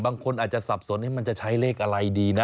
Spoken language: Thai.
บางคนอาจจะสับสนมันจะใช้เลขอะไรดีนะ